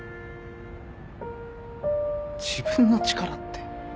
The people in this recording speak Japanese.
自分の力って。